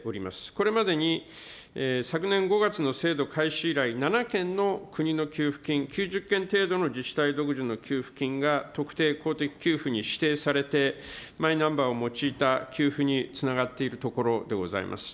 これまでに昨年５月の制度開始以来、７件の国の給付金、９０件程度の自治体独自の給付金が特定公的給付に指定されて、マイナンバーを用いた給付につながっているところでございます。